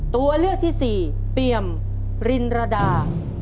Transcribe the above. ตัวเลือกที่สี่เปียมรินรดา